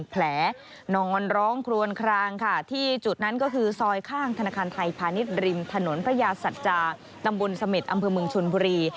แผลนอนร้องครวนคลางค่ะที่จุดนั้นก็คือซอยข้างธนาคารไทยพาณิชย์ริมถนนพระยาสัจจาตำบลเสม็ดอำเภอเมืองชนบุรี